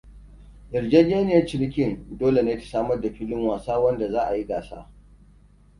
Yarjejeniyar cinikin dole ne ta samar da filin wasa wanda za ayi gasa.